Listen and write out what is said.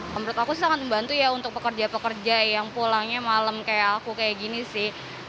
menurut aku sangat membantu ya untuk pekerja pekerja yang pulangnya malam kayak aku kayak gini sih